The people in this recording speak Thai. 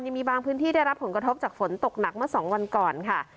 ยังมีบางพื้นที่ได้รับผลกระทบจากฝนตกหนักเมื่อ๒วันก่อนค่ะ